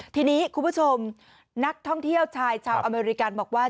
ทีนี้คุณผู้ชมนักท่องเที่ยวชายชาวอเมริกันบอกว่า